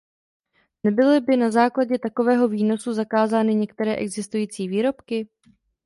Nebyly by na základě takového výnosu zakázány některé existující výrobky?